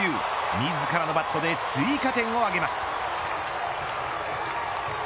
自らのバットで追加点を挙げます。